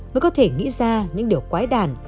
mới có thể nghĩ ra những điều quái đàn